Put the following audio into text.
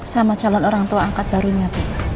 sama calon orang tua angkat barunya